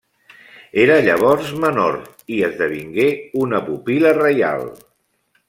Era llavors menor, i esdevingué una pupil·la reial.